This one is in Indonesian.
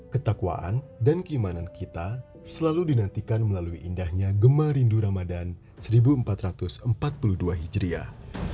ketakwaan dan keimanan kita selalu dinantikan melalui indahnya gemar rindu ramadan seribu empat ratus empat puluh dua hijriah